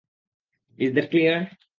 Is that clear?